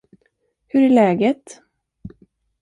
Hur är läget?